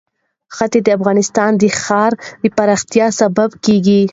ښتې د افغانستان د ښاري پراختیا سبب کېږي.